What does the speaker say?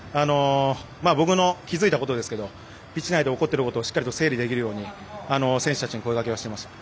僕の気付いたことですけどピッチ内で起きたことをしっかり整理できるように選手たちに声かけしていました。